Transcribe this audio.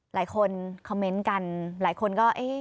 หลายคนคอมเมนต์กันหลายคนก็เอ๊ะ